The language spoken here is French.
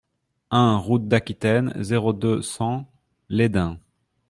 un route d'Aquitaine, zéro deux, cent Lesdins